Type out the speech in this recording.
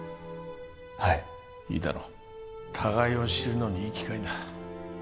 はいいいだろう互いを知るのにいい機会だ